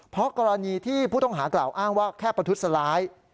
เพราะกรณีที่ผู้ต้องหากล่าวอ้างว่าแค่ประทุษร้าย